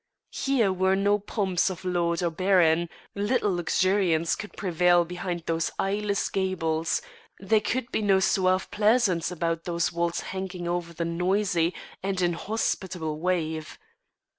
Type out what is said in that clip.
Here were no pomps of lord or baron; little luxuriance could prevail behind those eyeless gables; there could be no suave pleasance about those walls hanging over the noisy and inhospitable wave.